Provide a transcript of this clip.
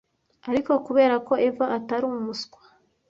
ariko kubera ko eva atari umuswa